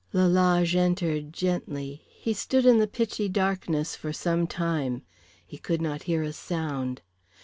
Lalage entered gently. He stood in the pitchy darkness for some time. He could not hear a sound.